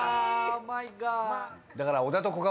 だから。